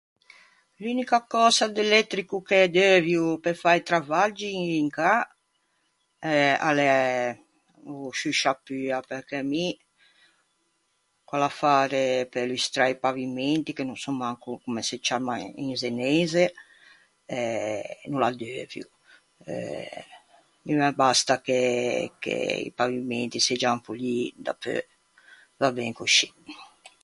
L'unica cösa d'elettrico che deuvio pe fâ i travaggi in cà eh a l'é o sciuscia pua perché mi, quell'affare pe lustrâ i pavimenti, che no sò manco comme se ciamma in zeneise, eh... no l'addeuvio. Eh, mi me basta che che i pavimenti seggian polii, dapeu va ben coscì.